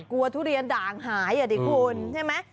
ทุเรียนด่างหายอ่ะดิคุณใช่ไหม